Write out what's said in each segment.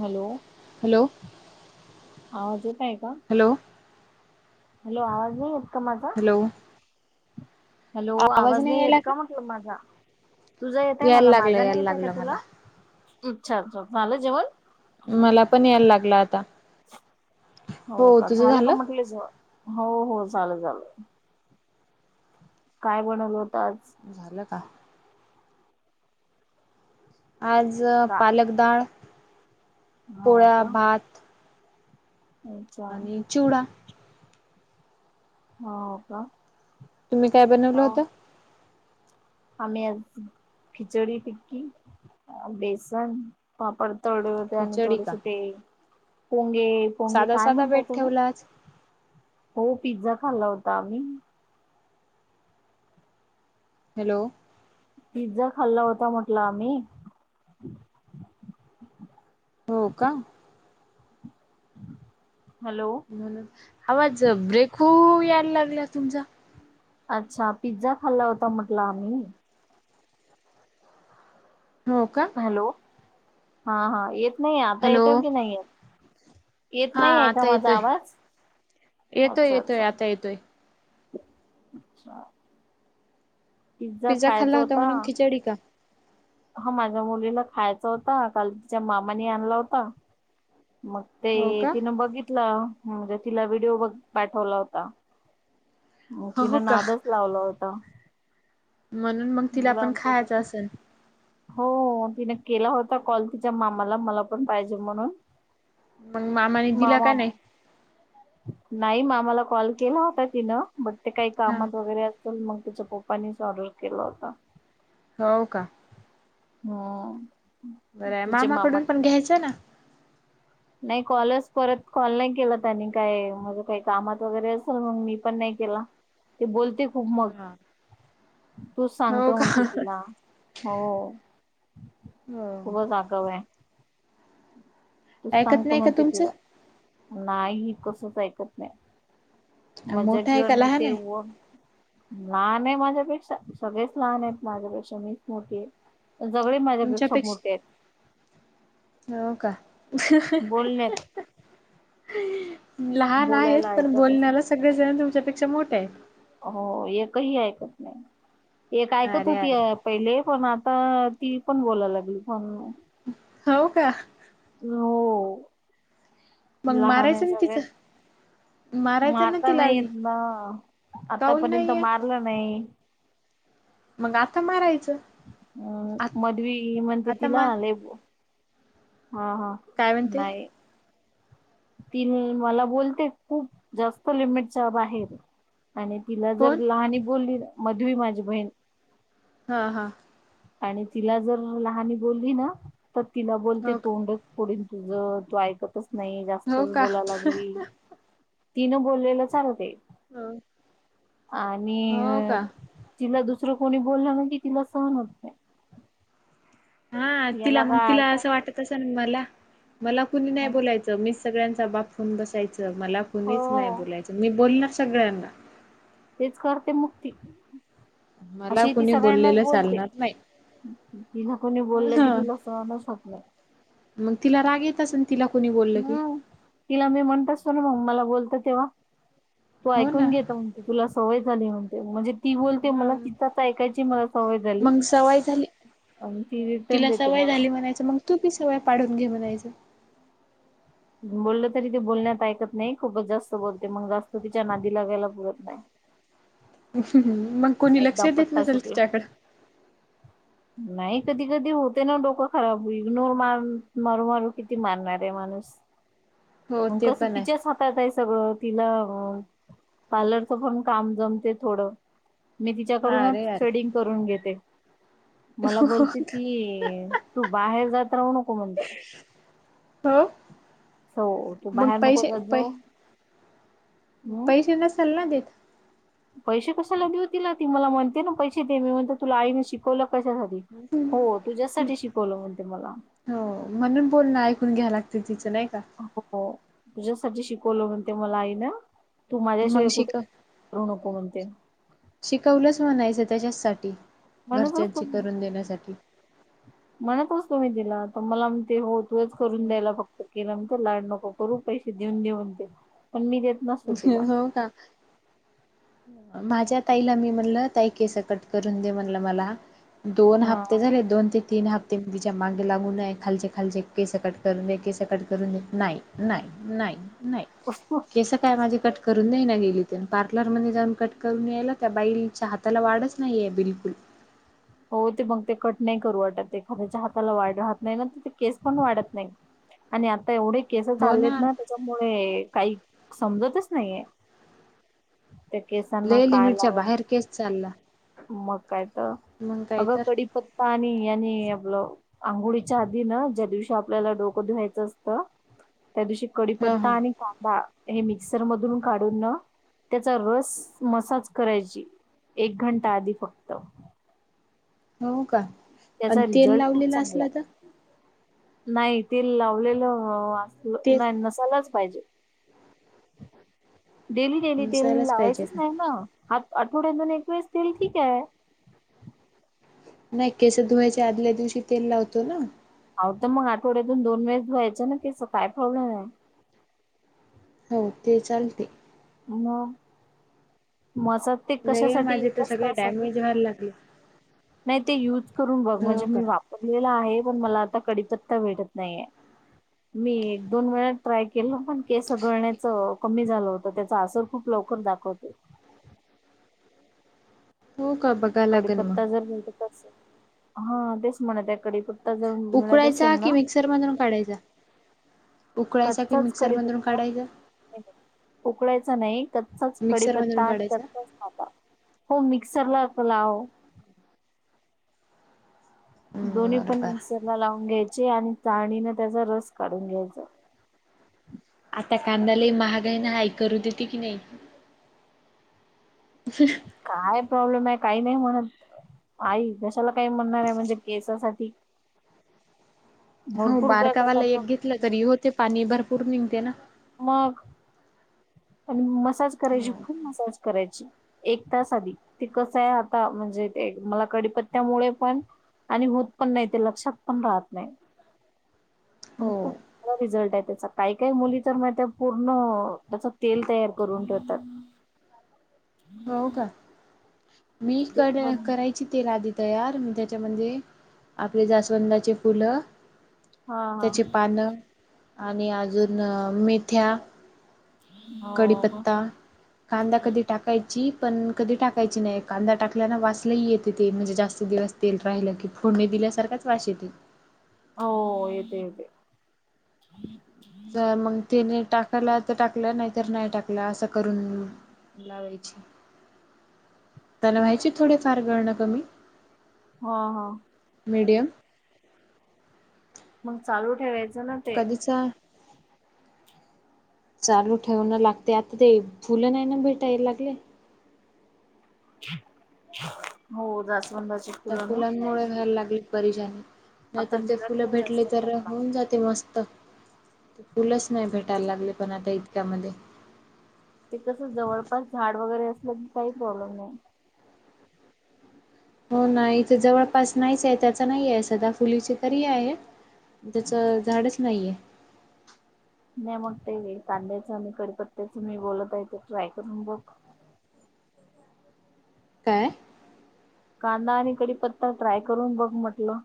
Hello. Hello आवाज येत आहे का? हॅलो. हॅलो आवाज नाही येत का माझा? हॅलो हॅलो आवाज नाही येत का म्हटलं माझा? तुझा येतय यायला मला लागलं माझा नाही यायला येतय का लागलं तुला? मला. अच्छा- अच्छा झालं जेवण? मला पण यायला लागल आता. हो का झालं का म्हटले जेवण? हो -हो झालं -झालं. काय बनवल होत आज? झालं का? आज का पालकदाळ, हो पोळ्या, का भात. अच्छा आणि चिवडा. हो का. तुम्ही काय बनवलं हो होत? आम्ही आज खिचडी, टिक्की. बेसन, पापड तडले होते आणि खिचडी का? थोडेसे ते पोंगे पोंगे साधा काय साधा म्हणता बेत तुम्ही? ठेवला आज. हो पिझ्झा खाल्ला होता आम्ही. हॅलो पिझ्झा खाल्ला होता म्हटल आम्ही. हो का? [inaudible] हलो. म्हणून, आवाज अ ब्रेक हू यायला लागला तुमचा. अच्छा पिझ्झा खाल्ला होता म्हटल आम्ही. हो का. हॅलो हा- हा येत नाही, आता हॅलो येते की नाही येत. येत हा नाही आहे का आता माझा येतोय. आवाज? येतोय अच्छा येतोय -अच्छा. आता येतोय. अच्छा. पिझ्झा खाल्ला खायाचा होता. म्हणून खिचडी का? हा माझ्या मुलीला खायाचा होता, काल तिच्या मामानी आणला होता, मग हो ते का? तिनं बघितलं, म्हणजे तिला व्हिडिओ बघ- पाठवला होता. हो तिनं नादच लावला होता. म्हणून मंग तिला पण मुलांच खायचं असन. हो -हो तिने केला होता कॉल तिच्या मामाला मला पण पाहिजे म्हणून. मग मामाने दिला का मामाम नाही नाही म मामाला कॉल केला होता तिनं, बट ते काही हा कामात वगैरे अस पण मग तिच्या पप्पानेच ऑर्डर केला होता. हो का. ह्म्म. बराय मामाकडून पण घ्यायचं ना. नाही कॉलस परत कॉल नाही केला त्यांनी काय, म्हणू [unintelligible] काही कामात वगैरे असेल मग मी पण नाही केला. ती बोलते खूप मग, हा तूच हो सांगतो का म्हणते तिला. हो, हो खूपच आगव आहे. तूस ऐकत सांगतो नाही का म्हणते तिला, तुमचं नाही ही कसच ऐकत नाही. मोठं मजाक आहे वर का लहान नेते आहे व [unintelligible] लहान आहे माझ्यापेक्षा, सगळेच लहान आहेत माझ्यापेक्षा मीच मोठी आहे. जगळे माझ्यापेक्षा मोठे तुमच्यापेक्षा आहेत. हो का. बोलण्यात [inaudible] लहान आहेत बोलायला पण ऐकतच बोलण्याला सगळेजण तुमच्यापेक्षा मोठे आहेत. हो एकही ऐकत नाही, एक ऐकत अरे होती‌ अरे अ पहिले पण आता ती पण बोलायला लागली फोन हो का. नो [unintelligible] मंग आहे मारायचं ना तिचं. सगळ्यात मारायचं ना मारता तिला नाही बी येत ना काऊन आतापर्यंत नाहीये मारलं नाही. मग आता मारायचं. आ अम मधवी म्हंते आता तिला मार लेबू हा हा काय म्हणते? नाही ती मला बोलते खूप जास्त लिमिटच्या बाहेर. आणि तिला जर कोण लहानी बोलली मधवी माझी बहीण हा हा. आणि तिला जर लहानी बोलली ना तर तिला बोलते हो का तोंडच फोडीन तुझ तू ऐकतच नाही हो जास्तच का बोलायला लागली. तिनं बोललेलं चालतय हो आणि का तिला दुसरं कोणी बोलल ना की तिला सहन होत नाही हा तिला याला मंग काय तिला अर्थ असं वाटत असन मला मला कुणी नाही बोलायचं मी सगळ्यांचा बाप हून बसायचं मला कुणीच नाही हो बोलायचं मी बोलणार सगळ्यांना तेच करते मुक्ती, मला अशी ही ती कुणी सगळ्यांनाच बोललेलं बोलते. चालणार नाही तिला कोणी बोललं ह की तिला सहनच होत नाही. मंग तिला राग येत असन? तिला कोणी बोल हम्म तिला मी म्हणत असतो ना मग मला बोलत तेव्हा तू हो ऐकून ना घेतो तुला सवय झाली म्हणते म्हणजे ती बोलते मला तिथच ऐकायची मला सवय झाली मंग सवय झाली. आणि ती रिटर्न तिला देते सवय मला. झाली म्हणायचं मंग तू बी सवय पाडून घे म्हणायच. बोललं तरी ते बोलण्यात ऐकत नाही खूपच जास्त बोलते मंग जास्त तिच्या नादी लागयला पुरत नाही. मग कोणी लक्ष एकदा देत पट्टा नसेल सुटला. तिच्याकडं. [inaudible] नाही कधी कधी होते ना डोकं खराब इग्नोर मार मारू मारू किती मारणार आहे माणूस? हो अक ते पण आहे चकीच्याात ात आहे सगळं तिला पार्लरचं पण काम जमते थोडं मी तिच्याकडूनच अरे ट्रेडिंग करून घेते मला बोलते ती अरे तू बाहेर जात राहू नको म्हणते अछा हम हो तू बाहेर नको कर जाो पैसे नसाल ना देत पैसे कशाला देऊ त ना ती मला म्हणते ना पैसे दे मी म्हणत तुला आईने शिकवलं कशासाठी हो तुझ्यासाठी शिकवलं म्हणते मला हो म्हणून बोलणं ऐकून घ्या लागते तिचं नाही का हो तुझ्यासाठी शिकवलं म्हणते मला आई ना तू मग माझ्याशिवाय कुठे शिक करू नको म्हणते शिकवलंच म्हणायचं त्याच्यासाठी घरच्यांची करून देण्यासाठी म्हणत होस तुम्ही तिला तर मला ते होतोयच करून द्यायला फक्त केलं म्ह लाड नको करू पैसे देऊन देऊन ते पण मी ते हो का माझ्या ताईला मी म्हणलं ताई केस कट करून दे म्हणलं मला दोन हा हप्ते झाले दोन ते तीन हप्ते ते तिच्या मागे लागू नये खालचे खालचे केस कट करून दे केस कट करून द नाही नाही नाही नाही कस्त जस काय माझी कट करून ने नाही गेली ते पार्लरमध्येध्ये जाऊन कट करून यायला त्या बाईलच्या हात त्याला वाढच नाहीये, बिलकुल. हो. ते मग ते कट नाही करू वाटत. ते एखाद्याच्या हाताला वाढ राहात नाही ना. त ते केस पण वाढत नाहीत. आणि आता एवढे केस चाललेत ना. त्याच्यामुळे, काही समजतच नाहीय. त्या केसांना लय काय, लिमिटच्या लावाव? बाहेर केस चालला. मग काय तर. मग काही अगं तर कडीपत्ता आणि -आणि आपलं आंघोळीच्या आधीन. ज्या दिवशी, आपल्याला डोकं धुवायचं असतं. त्या दिवशी हा कडीपत्ता आणि कांदा. हे मिक्सर मधून काढून न त्याचा रस मसाज करायची. एक घंटा आधी फक्त. हा हो का आणि त्याचा तेल रिझल्ट खूप लावलेलं चांगला. असलं तर नाही तेल लावलेलं असल, तेल नाही नस लाच पाहिजे. डेली - डेली तेल, नसायलाच पाहिजे लावायचंच का? नाही ना. आठ - आठवड्यातून एक वेळेस तेल ठीकय. नाही. केस धुवायच्या, आदल्या दिवशी तेल लावतो ना. आव त मग, आठवड्यातून दोन वेळेस धुवायच ना केस. काय प्रॉब्लेमय? हो, ते चालते. मग. मसाज ते कशासाठी? एकाच तासाच. जायला लागले. नाही ते युज करून बघ. हो म्हणजे का मी वापरलेला आहे. पण मला आता कडीपत्ता भेटत नाहीये. मी एक - दोन वेळा ट्राय केलं पण. केस सगळण्याच कमी झालं होत. त्याचा आसर खूप लवकर दाखवतय. हो, का? बग कडीपत्ता जर भेटत असेल. हा, तेच म्हणतय, कडीपत्त त्ता जर मिळत असेल उकळायचा कि ना. मिक्सर मधून काढायचा. उकळायचा की कच्चाच, मिक्सर मधून कडीपता. काढायचा उकळायचा नाही. कच्चाच मिक्सर कडीपत्ता मधून आणि काढायचा. कच्चाच कांदा. हो, मिक्सरलाच लाव. दोन्ही बरं पण बर. मिक्सरला लावून घ्यायचे. आणि चाळणीन त्याचा रस काढून घ्यायचा. आता कांदा लय महागाय. न आई करू देती की, नाही? ह. काय प्रॉब्लेमय, काही नाही म्हणत. आई, कशाला काही म्हणणारय. म्हणजे केसासाठी. हो भरपूर करतात बारकावाला आपण एक घेतलं तरी होते. पाणी भरपूर निघते ना. मग, आणि मसाज करायची. फुल मसाज करायची. एक तास आधी. ते कसंय आता. म्हणजे ते मला कडीपत्त्यामुळे पण आणि होत पण नाही. ते लक्षात पण राहत नाही. आणि हो खूप [unintelligible] रिझल्टय त्याचा. काय - काय मुली तर मग त्या पूर्ण, त्याच तेल तयार करून ठेवतात. हो का. मी ते कड- पण करायची. तेल आधी तयार. मी त्याच्यामध्ये, आपले जास्वंदाचे फुलं हा त्याची पानं. आणि अजून मेथ्या हा हो कढीपत्ता कांदा कधी टाकायची. पण कधी टाकायची नाही. कांदा टाकल्या ना वास लइ येते ते. म्हणजे जास्त दिवस तेल राहिलं की. फोडणी दिल्यासारखाच वाश येतय. हो. येते- येते. मग ते न टाकायला तर टाकलं, नाही तर नाही टाकला. असं करून लावायची. त्यानं व्हायचे थोडे - फार गळणं कमी. हा, हा. मीडियम मंग चालू ठेवायचं ना ते कधीचाय चालू ठेवणं लागते आता ते फुलं नाय ना भेटायल लागले हो जास्वंदाची त्याचं फुलं ना फुलांमुळे व्हायला लागली परेशानी आता नायतर ते मिळत फुलं नाही भेटले जास्त तर प्रमाणात होऊन जाते मस्त ती फुलच नाय भेटायला लागले पण आता इतक्यामध्ये ते कस जवळपास झाड वगैरे असलं की काही प्रॉब्लेम नाही. हो ना इथ जवळपास नाहीच आहे त्याचा नाहीये सदा फुलीची तरी आहे. त्याच झाडच नाहीये. नाय मग ते कांद्याचं आणि कडपत्त्याचं मी बोलत आहे ते ट्राय करून बघ. काय? कांदा आणि कडीपत्ता ट्राय करून बघ म्हटलं.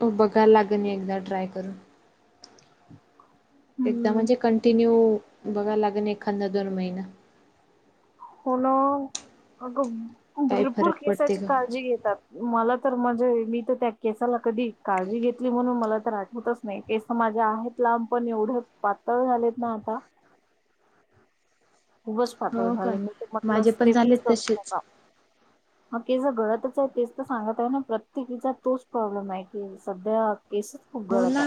तू बघायला लाग मी एकदा ट्राय करून एकदा हम्म म्हणजे कंटिन्यू बघाय लागन एखादा दोन महिना होन अग काही भरपूर फरक पडते केसाची का काळजी घेतात. मला तर म्हणजे मी तर त्या केसाला कधी काळजी घेतली म्हणून मला तर आठवतच नाही केस माझ्या आहेत लांब पण एवढे पातळ झालेत ना आता खूपच पातळ हो का झाले मी ते म्हटलं माझे पण झाले स्टेपच करू तसेच टाका. ह केस घडतच आहे तेच तर सांगत आहे ना प्रत्येकीचा तोच प्रॉब्लेम आहे की सध्या केस हो ना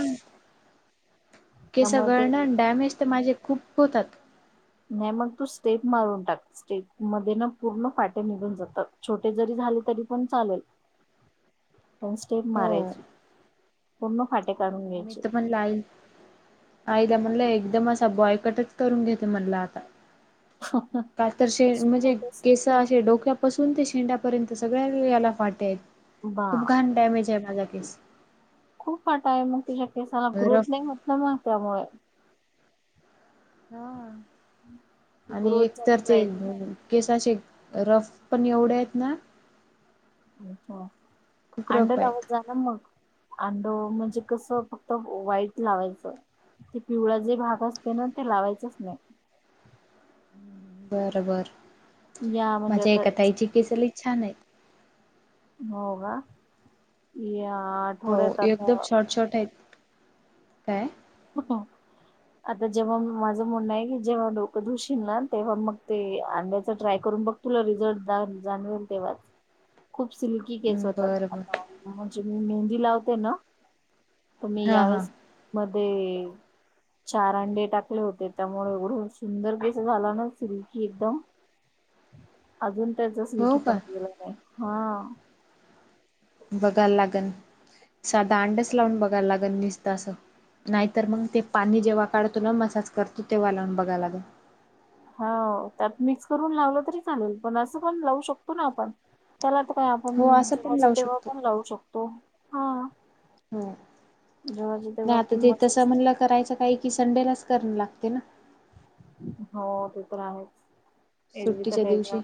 केस त्यामुळे ते गळण अनं डॅमेज तर माझे खूप होतात. नाय मग तू स्टेप मारून टाक. सेट मध्ये ना पूर्ण फाटे निघून जातात छोटे जरी झाले तरी पण चालेल. पण स्टेप हो मारायची पूर्ण फाटे काढून घ्यायचे आई आईला म्हणलं एकदम असा बॉयकटच करून घेते म्हणल आता कातरशे म्हणजे छोटेसे. केस तर असे डोक्या पासून ते शेंड्यापर्यंत सगळ्या याला फाट आहेत खूप घाण बापरे डॅमेज आहे माझा केस खूप फाटा आहे मग तुझ्या केसाला ग्रोथ रफ नाय होत ना मग त्यामुळे हा आणि ग्रोथ झाली एकतरचे एक पाहिजे ना [unintelligible] केस असे रफ पण एवढे आहेत ना अच्छा खूप अंड रफ लावय आहेत. जा नं मग अंड म्हणजे कसं फक्त वाईट लावायचं. ते पिवळा जे भाग असते ना ते लावायचच नाय. बर बर या म्हणजे माझ्या आता एका ताईची केस लय छान येत. हो कां या आट - हो एकदम शॉर्ट शॉर्ट आहेत काय? [inaudible] आता जेव्हा माझं म्हणणं आहे की जेव्हा डोकं धुशील ना तेव्हा मग ते अंड्याच ट्राय करून बघ. तुला रिझट द जाणवेल तेव्हाच खूप सिल्की केस बरं होतात बर म्हणजे मी मेहंदी लावते ना त मी हा हा यावेळेस मध्ये चार अंडे टाकले होते त्यामुळे एवढं सुंदर केस झाल ना सिल्की एकदम अजून त्याच स्लील्की हो का पणा गेलाय नाय हा बघायला लागन साधा अंडच लावून बघायला लागन निसत असं नायतर मंग ते पाणी जेव्हा काढतो ना मसाज करतो तेव्हा लावून बघायला लागनं. हो त्यात मिक्स करून लावलं तरी चालेल पण असं पण लावू शकतो ना आपण. त्याला त काय आपण हो असं पण जेवाच लावू तेव्हा शकतो पण लावू शकतो हा हो जेव्हाच्या नाय तेव्हा आता पण ते मस्त तस हाय असत. म्हणल्यावर करायचं काय की संडे लाच करण लागते ना हो ते तर आहेच एक तर सुट्टीच्या व दिवशी.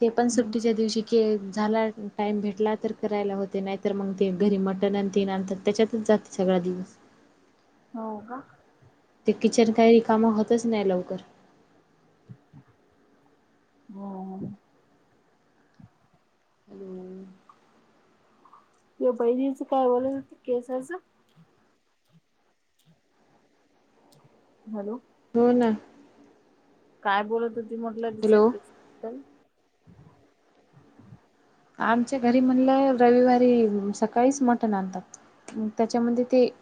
ते पण सुट्टीच्या दिवशी क झाला टाईम भेटला तर करायला होते नाहीतर मग ते घरी मटन आण तेनंतर त्याच्यातच जाते सगळा दिवस हो का ते किचन काही र काम होतच नाही लवकर हम् अून किंवा बहिणीचं काय बोलत केसाचं हॅलो हो ना काय बोलत हो त म्हटलं हॅलो. तिच्याद्दल आमच्या घरी म्हणलं रविवारी सकाळीच मटण आणतात त्याच्यामध्ये ते